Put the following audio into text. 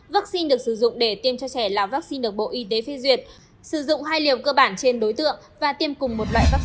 vaccine được sử dụng để tiêm cho trẻ là vaccine được bộ y tế phê duyệt sử dụng hai liệu cơ bản trên đối tượng và tiêm cùng một loại vaccine